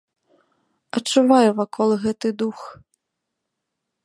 Адчуваю вакол гэты дух.